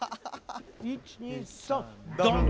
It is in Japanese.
１２３ドン。